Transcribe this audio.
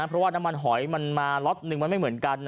เพราะว่าน้ำมันหอยมันมาล็อตหนึ่งมันไม่เหมือนกัน